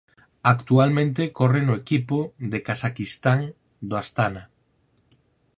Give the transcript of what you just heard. Actualmente corre no equipo de Casaquistán do Astana.